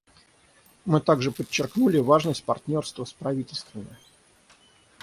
Мы также подчеркнули важность партнерства с правительствами.